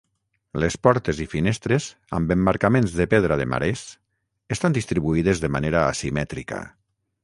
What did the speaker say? Les portes i finestres, amb emmarcaments de pedra de marés, estan distribuïdes de manera asimètrica.